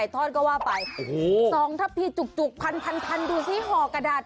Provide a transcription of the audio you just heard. หมูทอดก็ว่าไปสองทะพีจุกพันดูที่หอกระดาษ